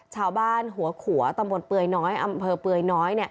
ชาวบ้านหัวขัวตำบลเปื่อยน้อยอำเภอเปื่อยน้อย